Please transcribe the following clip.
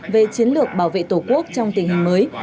về chiến lược bảo vệ tổ quốc trong tình hình mới